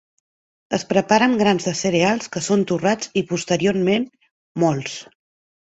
Es prepara amb grans de cereals que són torrats i posteriorment mòlts.